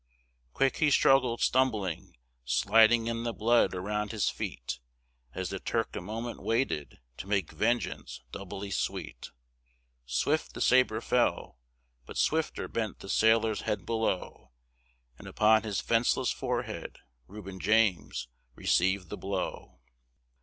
Quick he struggled, stumbling, sliding in the blood around his feet, As the Turk a moment waited to make vengeance doubly sweet. Swift the sabre fell, but swifter bent the sailor's head below, And upon his 'fenceless forehead Reuben James received the blow!